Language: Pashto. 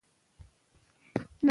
د سولې په رڼا کې ژوند ښکلی دی.